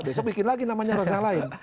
besok bikin lagi namanya ronsa lain